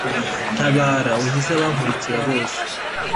ntabara, unkize abankurikirana bose